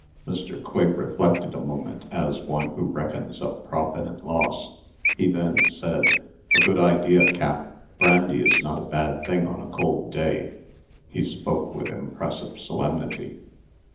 Mr. Quigg reflected a moment, as one who reckons up profit and loss. He then said: "A good idea, Cap. Brandy is not a bad thing on a cold day." He spoke with impressive solemnity.